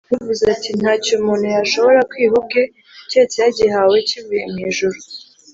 Yaravuze ati, “Nta cyo umuntu yashobora kwiha ubwe, keretse yagihawe kivuye mu ijuru